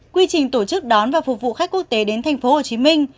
quy trình tổ chức đón và phục vụ khách quốc tế đến tp hcm